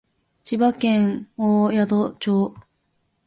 千葉県御宿町